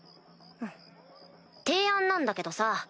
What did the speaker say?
提案なんだけどさ